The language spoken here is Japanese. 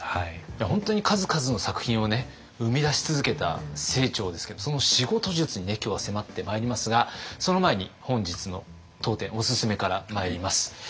本当に数々の作品をね生み出し続けた清張ですけどその仕事術に今日は迫ってまいりますがその前に本日の当店オススメからまいります。